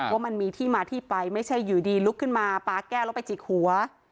ว่ามันมีที่มาที่ไปไม่ใช่อยู่ดีลุกขึ้นมาปลาแก้วแล้วไปจิกหัว